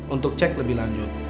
untuk cek lebih lanjut